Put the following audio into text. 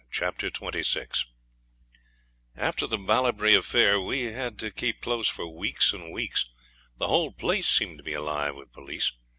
Chapter 26 After the Ballabri affair we had to keep close for weeks and weeks. The whole place seemed to be alive with police.